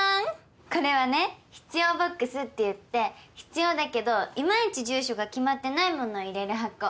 これはね必要ＢＯＸっていって必要だけどいまいち住所が決まってない物を入れる箱。